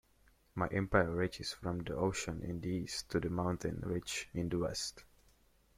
My empire reaches from the ocean in the East to the mountain ridge in the West.